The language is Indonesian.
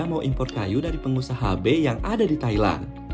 mau impor kayu dari pengusaha hb yang ada di thailand